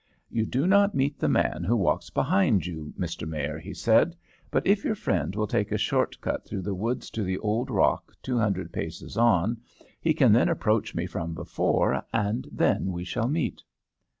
'You do not meet the man who walks behind you, Mr. Mayor,' he said; 'but if your friend will take a short cut through the woods to the old rock two hundred paces on, he can then approach me from before, and then we shall meet."